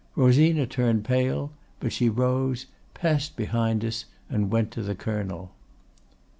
Rosina turned pale, but she rose, passed behind us, and went to the Colonel.